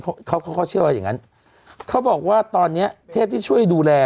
เพราะเขาเขาก็เชื่อว่าอย่างงั้นเขาบอกว่าตอนเนี้ยเทพที่ช่วยดูแล